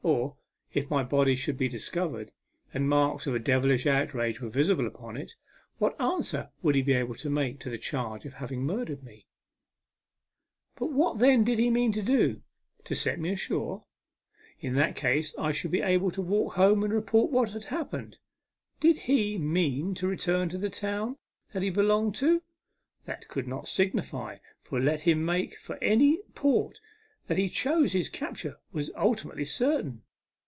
Or, if my body should be discovered, and marks of a devilish outrage were visible upon it, what answer would he be able to make to the charge of having murdered me ? But what then did he mean to do ? To set me ashore ? In that case I should be able to walk home and report what had happened. Did he mean to return to the town that he belonged to ? That could not signify, for let him make for any port that he chose his capture was ultimately certain.